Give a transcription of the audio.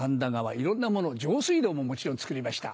いろんなものを上水道ももちろん造りました。